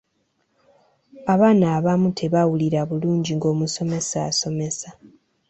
Abaana abamu tebawulira bulungi nga omusomesa asomesa.